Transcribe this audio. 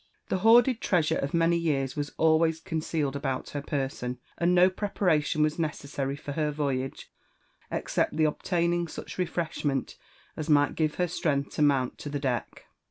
The hoarded trea sure of many years was always concealed about her person, and no preparation was necessary for her voyage except the obtaining such refreshment as might give her strength to mount to the deck.